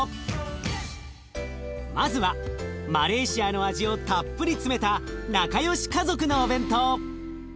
まずはマレーシアの味をたっぷり詰めた仲良し家族のお弁当。